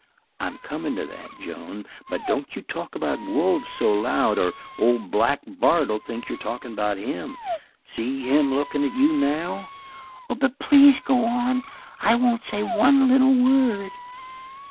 "I'm comin' to that, Joan, but don't you talk about wolves so loud or old Black Bart'll think you're talkin' about him. See him lookin' at you now?" "But please go on. I won't say one little word."